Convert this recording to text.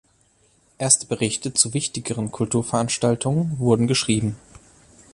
Erste Berichte zu wichtigeren Kulturveranstaltungen wurden geschrieben.